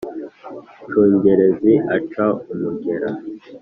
nshungerezi aca umugera